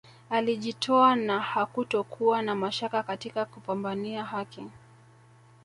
Alijitoa na hakutokuwa na mashaka katika kupambania haki